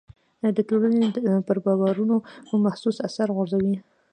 د ټولنې پر باورونو محسوس اثر غورځوي.